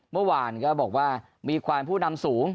เมื่อวานก็บอกว่ามีความผู้นำสูง